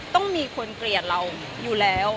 ต้องมีคนเกลียดเราอยู่แล้ว